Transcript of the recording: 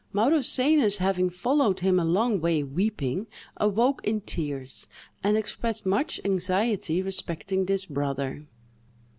Maurosenus having followed him a long way weeping, awoke in tears, and expressed much anxiety respecting this brother.